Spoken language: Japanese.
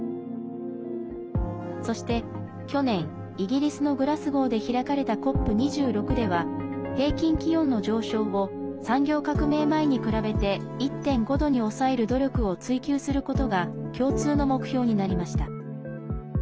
そして、去年イギリスのグラスゴーで開かれたＣＯＰ２６では平均気温の上昇を産業革命前に比べて１．５度に抑える努力を追求することが共通の目標になりました。